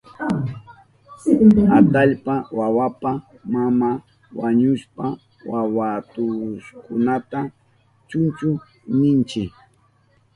Atallpa wawapa maman wañushpan wawastukunata chunchu ninchi.